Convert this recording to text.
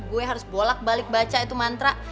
gue harus bolak balik baca itu mantra